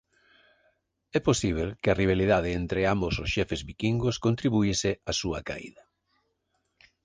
É posíbel que a rivalidade entre ambos os xefes viquingos contribuíse á súa caída.